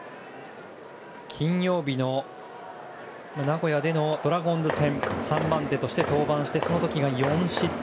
金曜日の名古屋でのドラゴンズ戦３番手として登板してその時は４失点。